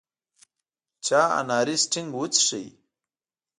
چا اناري سټینګ وڅښو.